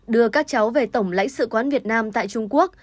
đưa các cháu về tổng lãnh sự quán việt nam tại trung quốc